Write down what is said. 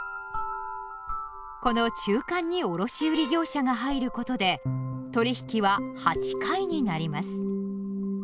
この中間に卸売業者が入ることで取引は８回になります。